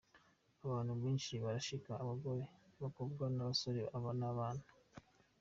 Abantu benshi barashika: abagore, abakobwa n’ abasore n’abana.